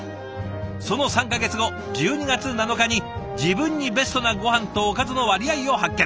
その３か月後１２月７日に自分にベストなごはんとおかずの割合を発見。